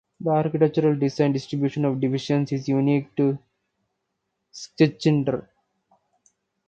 The architectural design and distribution of the divisions is unique for Schnitger.